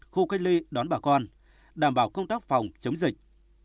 khu cách ly đón bà con đảm bảo công tác phòng chống dịch